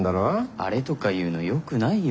アレとか言うのよくないよ